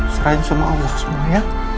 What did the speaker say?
serahin semua allah semua ya